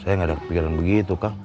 saya nggak ada kepikiran begitu kang